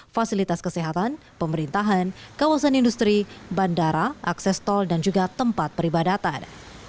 fasilitas kesehatan pemerintahan kawasan industri bandara akses tol dan juga tempat peribadatan